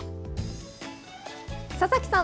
佐々木さん